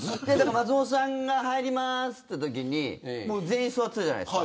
松本さんが入りますってときに全員座っていたじゃないですか。